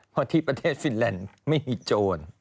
เพราะที่ประเทศฟินแลนด์ไม่มีโจร